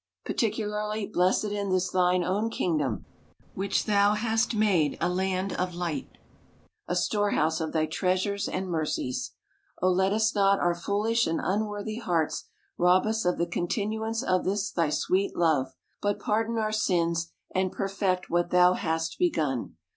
Particularly, bless it in this thine own king dom, which thou hast made a land of light, a storehouse of thy treasures and mercies. Oh, let not our foolish and unworthy hearts rob us of the continuance of this thy sweet love : but pardon our sins, and perfect what thou hast begun.